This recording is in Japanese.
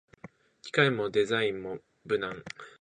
機能もデザインも無難